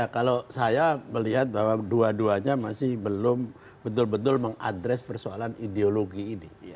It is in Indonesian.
kalau saya melihat bahwa dua duanya masih belum betul betul mengadres persoalan ideologi ini